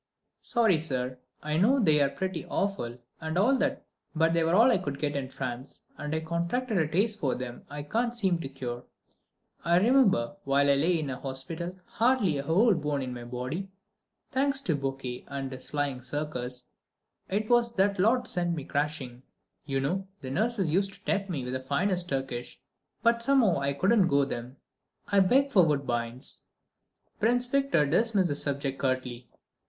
"Sorry, sir; I know they're pretty awful and all that, but they were all I could get in France, and I contracted a taste for them I can't seem to cure. I remember, while I lay in a hospital, hardly a whole bone in my body, thanks to the Boche and his flying circus—it was that lot sent me crashing, you know—the nurses used to tempt me with the finest Turkish; but somehow I couldn't go them; I'd beg for Woodbines." Prince Victor dismissed the subject curtly.